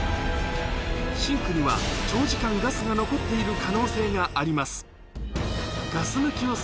シンクには、長時間ガスが残っている可能性があります。